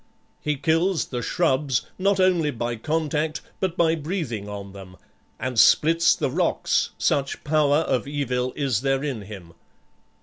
He kills the shrubs, not only by contact, but by breathing on them, and splits the rocks, such power of evil is there in him."